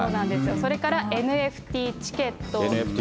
それからＮＦＴチケット。